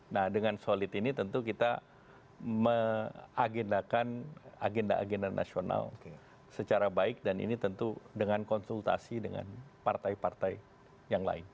nah dengan solid ini tentu kita meagendakan agenda agenda nasional secara baik dan ini tentu dengan konsultasi dengan partai partai yang lain